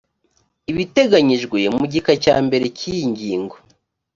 ibiteganyijwe mu gika cya mbere cy iyi ngingo